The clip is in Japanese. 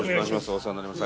お世話になります。